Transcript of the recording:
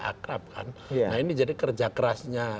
akrab kan nah ini jadi kerja kerasnya